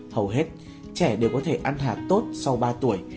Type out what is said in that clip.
hầu hết trẻ đều có thể ăn hạ tốt sau ba tuổi